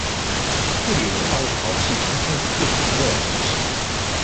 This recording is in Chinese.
库利文化的陶器呈现出不同的形式。